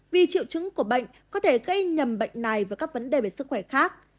vì triệu chứng của bệnh có thể gây nhầm bệnh này và các vấn đề về sức khỏe khác